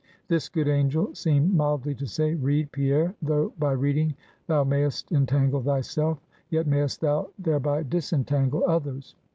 This good angel seemed mildly to say Read, Pierre, though by reading thou may'st entangle thyself, yet may'st thou thereby disentangle others.